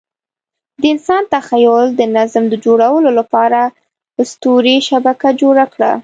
د انسان تخیل د نظم د جوړولو لپاره اسطوري شبکه جوړه کړه.